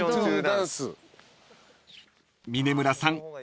［峯村さん